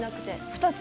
２つ。